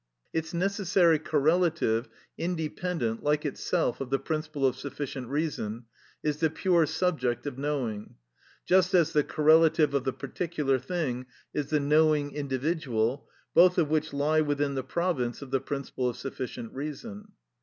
Its necessary correlative, independent, like itself of the principle of sufficient reason, is the pure subject of knowing; just as the correlative of the particular thing is the knowing individual, both of which lie within the province of the principle of sufficient reason.